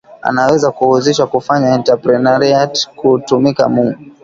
anaweza ku uzisha ku fanya entreprenariat ku tumika mu